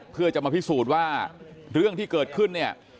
เพื่อจะมาพิสูจน์ว่าเรื่องที่เกิดขึ้นเนี่ย